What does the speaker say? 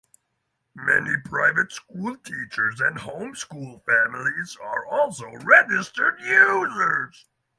Many private school teachers and home school families are also registered users.